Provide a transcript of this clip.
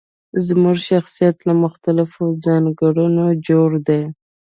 زموږ شخصيت له مختلفو ځانګړنو جوړ دی.